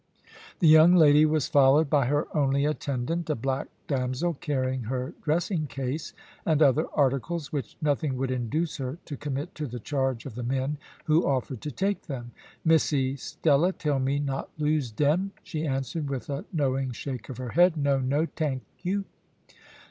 The young lady was followed by her only attendant, a black damsel, carrying her dressing case, and other articles, which nothing would induce her to commit to the charge of the men who offered to take them. "Missie Stella tell me not lose dem," she answered, with a knowing shake of her head. "No, no, tank yoo."